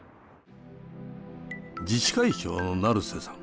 自治会長の成瀬さん